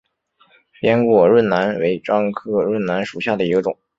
扁果润楠为樟科润楠属下的一个种。